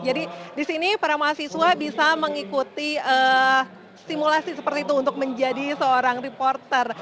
jadi di sini para mahasiswa bisa mengikuti simulasi seperti itu untuk menjadi seorang reporter